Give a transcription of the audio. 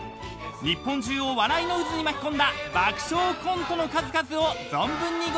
［日本中を笑いの渦に巻き込んだ爆笑コントの数々を存分にご覧ください］